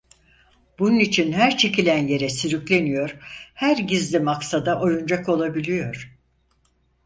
Bunun için her çekilen yere sürükleniyor, her gizli maksada oyuncak olabiliyor.